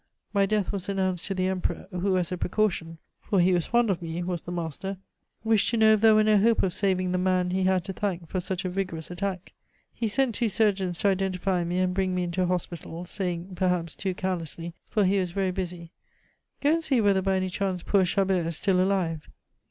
My death was announced to the Emperor, who as a precaution for he was fond of me, was the master wished to know if there were no hope of saving the man he had to thank for such a vigorous attack. He sent two surgeons to identify me and bring me into Hospital, saying, perhaps too carelessly, for he was very busy, 'Go and see whether by any chance poor Chabert is still alive.